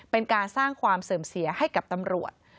เป็นการสร้างความเสื่อมเสียให้กับตำรวจ